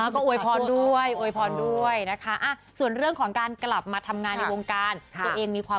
ก็ไม่ได้ค่อนข้างรักละค่ะต้องมีสติ